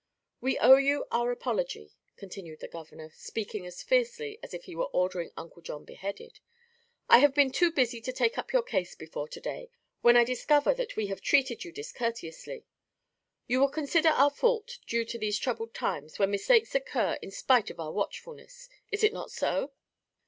"We owe you our apology," continued the governor, speaking as fiercely as if he were ordering Uncle John beheaded. "I have been too busy to take up your case before to day, when I discover that we have treated you discourteously. You will consider our fault due to these troubled times, when mistakes occur in spite of our watchfulness. Is it not so?"